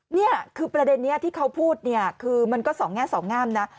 นี่คือประเด็นนี้ที่เขาพูดเนี่ยคือมันก็สองแง่สองงามนะ